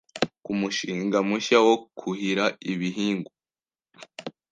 ku mushinga mushya wo kuhira ibihngwa